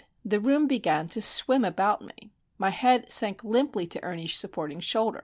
The room began to swim about me. My head sank limply to Ernie's supporting shoulder.